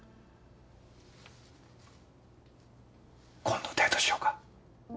今度デートしようか？